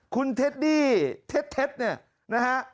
คุณเทดดี้เทดนะครับ